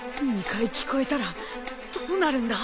２回聞こえたらどうなるんだ？